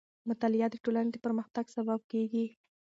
مطالعه د ټولنې د پرمختګ سبب کېږي.